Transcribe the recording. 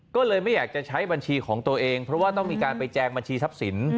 ก็เลยไม่อยากจะใช้บัญชีของตัวเองเพราะว่าต้องมีการไปแจงบัญชีทรัพย์สิน